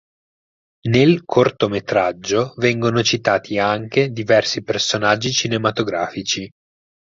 Nel cortometraggio vengono citati anche diversi personaggi cinematografici.